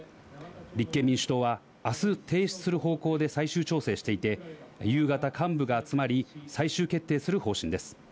立憲民主党はあす提出する方向で最終調整していて、夕方、幹部が集まり、最終決定する方針です。